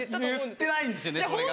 言ってないんですよねそれが。